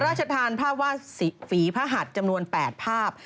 ราชทานภาพวาดฝีพระหัดจำนวน๘ภาพ